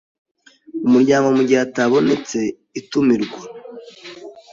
umuryango Mu gihe atabonetse itumirwa